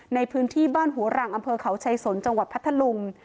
ในพื้นที่บ้านหัวหรังอเขาใช่สนจังหวัดพัทธรุง